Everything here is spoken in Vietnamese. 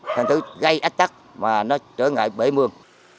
thành thứ gây ách tắc mà nó trở ngại bể mương